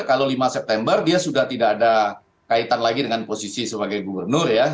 kalau lima september dia sudah tidak ada kaitan lagi dengan posisi sebagai gubernur ya